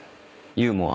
ユーモア。